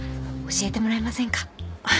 教えてもらえませんか？